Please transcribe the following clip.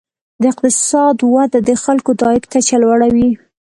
د اقتصاد وده د خلکو د عاید کچه لوړوي.